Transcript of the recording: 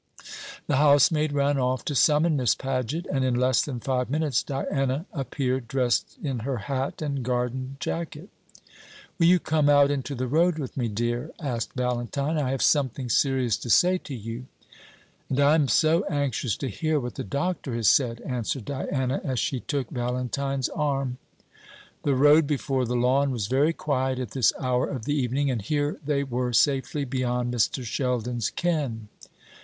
The housemaid ran off to summon Miss Paget; and in less than five minutes Diana appeared, dressed in her hat and garden jacket. "Will you come out into the road with me, dear?" asked Valentine. "I have something serious to say to you." "And I am so anxious to hear what the Doctor has said," answered Diana, as she took Valentine's arm. The road before the Lawn was very quiet at this hour of the evening, and here they were safely beyond Mr. Sheldon's ken.